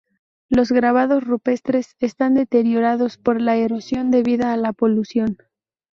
Los grabados rupestres están deteriorados por la erosión debida a la polución.